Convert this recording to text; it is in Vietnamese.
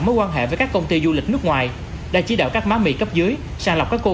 mối quan hệ với các công ty du lịch nước ngoài đã chỉ đạo các má mì cấp dưới sàng lọc các cô